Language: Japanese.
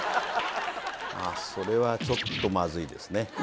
それはちょっとまずいですね